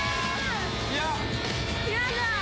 やだ。